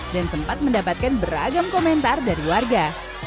dan sempat mendapatkan beragam komentar dari warga